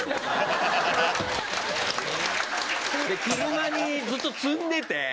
車にずっと積んでて。